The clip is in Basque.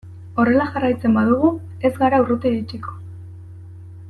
Horrela jarraitzen badugu ez gara urruti iritsiko.